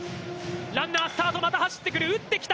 ランナースタートまた走ってくる、打ってきた！